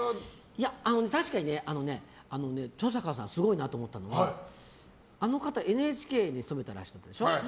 確かに登坂さんがすごいなと思ったのはあの方はＮＨＫに勤めてらっしゃったでしょ。